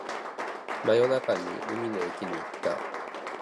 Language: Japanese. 真夜中に海の駅に行った